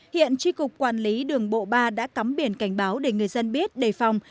hiện tri cục quản lý đường bộ ba đã cắm biển cảnh báo để người dân biết đề phòng